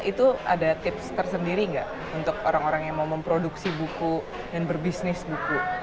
itu ada tips tersendiri nggak untuk orang orang yang mau memproduksi buku dan berbisnis buku